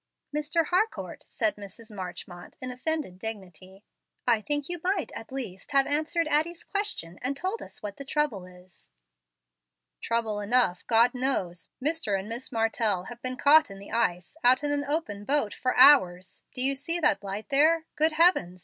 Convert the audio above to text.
"Mr. Harcourt," said Mrs. Marchmont, in offended dignity, "I think you might, at least, have answered Addie's question and told us what the trouble is." "Trouble enough, God knows. Mr. and Miss Martell have been caught in the ice, out in an open boat, for hours. Do you see that light there? Good heavens!